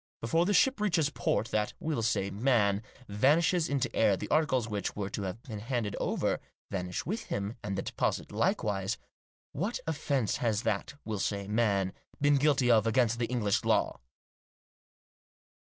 Before the ship reaches port that, we'll say, man, vanishes into air, the articles which were to have been handed over, vanish with him, and the deposit likewise. What offence has that, we'll say, man, been guilty of against the English law?"